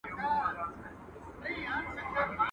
خره که ښکرونه درلوداى، د غويو نسونه بې څيرلي واى.